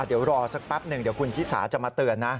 เดี๋ยวรอสักแป๊บหนึ่งเดี๋ยวคุณชิสาจะมาเตือนนะ